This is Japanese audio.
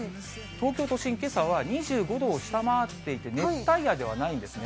東京都心、けさは２５度を下回っていて、熱帯夜ではないんですね。